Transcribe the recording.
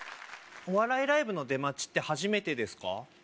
お笑いライブの出待ちって初めてですか？